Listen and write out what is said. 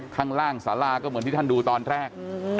ข้างล่างสาราก็เหมือนที่ท่านดูตอนแรก